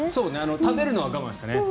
食べるのは我慢したね。